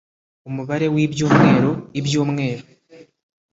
umubare w ibyumweru ibyumweru